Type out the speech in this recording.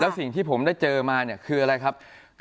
แล้วสิ่งที่ผมได้เจอมาคืออะไรครับ